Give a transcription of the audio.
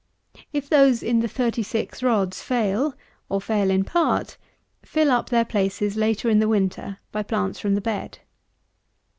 If those in the 36 rods fail, or fail in part, fill up their places, later in the winter, by plants from the bed.